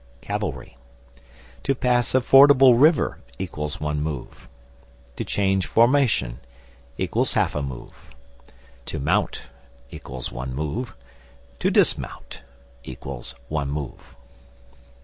Cavalry. To pass a fordable river = one move. To change formation = half a move. To mount = one move. To dismount = one move.